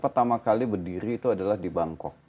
pertama kali berdiri itu adalah di bangkok